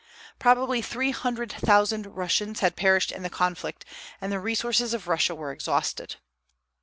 Probably three hundred thousand Russians had perished in the conflict, and the resources of Russia were exhausted.